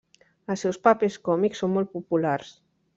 Els seus papers còmics són molt populars.